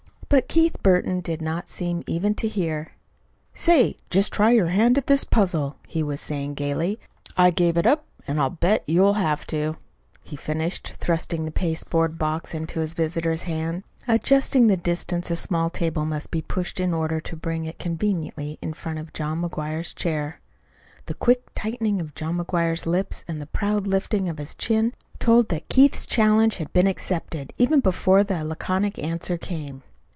But Keith Burton did not seem even to hear. "Say, just try your hand at this puzzle," he was saying gayly. "I gave it up, and I'll bet you'll have to," he finished, thrusting a pasteboard box into his visitor's hands and nicely adjudging the distance a small table must be pushed in order to bring it conveniently in front of John McGuire's chair. The quick tightening of John McGuire's lips and the proud lifting of his chin told that Keith's challenge had been accepted even before the laconic answer came.